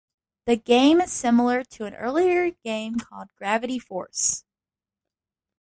The game is similar to an earlier game called Gravity Force.